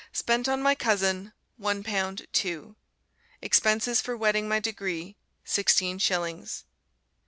"Spent on my cousin, one pound, two." "Expenses for wetting my degree, sixteen shillings."